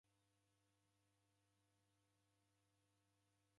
Nika na chuo chiboie.